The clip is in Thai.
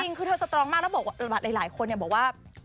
จริงคือเธอสตรองมากแล้วบอกหลายคนเนี่ยบอกว่า